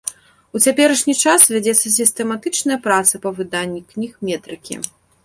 У цяперашні час вядзецца сістэматычная праца па выданні кніг метрыкі.